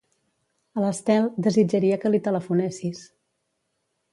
A l'Estel, desitjaria que li telefonessis.